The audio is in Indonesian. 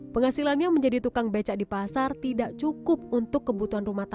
penghasilannya menjadi tukang becak di pasar tidak cukup untuk kebutuhan rumah tangga